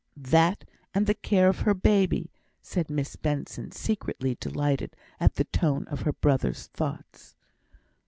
"That and the care of her baby," said Miss Benson, secretly delighted at the tone of her brother's thoughts.